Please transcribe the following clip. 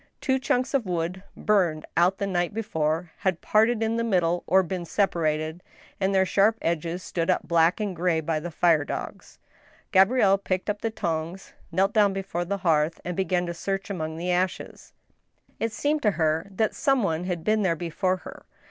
Two chunks of wood, burned out the night before, had parted in the mid^ die or been separated, and their sharp ends stood up black and gray by the fire dogs. Gabrielle picked up the tongs, knelt down before the hearth, and began to search among the ashes. It seemed to her that some one had been there before her.